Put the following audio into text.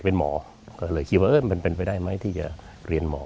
เป็นหมอก็เลยคิดว่ามันเป็นไปได้ไหมที่จะเรียนหมอ